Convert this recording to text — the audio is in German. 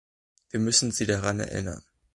Wir müssen sie daran erinnern.